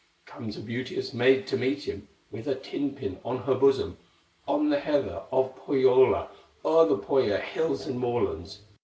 Comes a beauteous maid to meet him, With a tin pin on her bosom, On the heather of Pohyola, O'er the Pohya hills and moorlands.